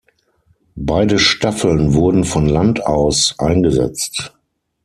Beide Staffeln wurden von Land aus eingesetzt.